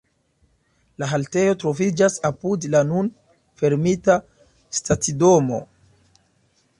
La haltejo troviĝas apud la nun fermita stacidomo.